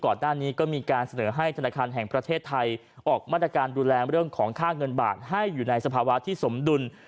ก่อนหน้านี้ก็มีการเสนอให้ธนาคารแห่งประเทศไทยออกมาตรการดูแลเรื่องของค่าเงินบาทให้อยู่ในสภาวะที่สมดุล